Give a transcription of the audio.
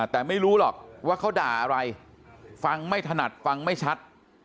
แต่ไม่รู้หรอกว่าเขาด่าอะไรฟังไม่ถนัดฟังไม่ชัด